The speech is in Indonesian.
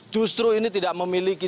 justru ini tidak memiliki